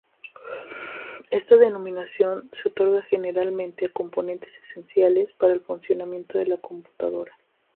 Esta denominación se otorga generalmente a componentes "esenciales" para el funcionamiento de la computadora.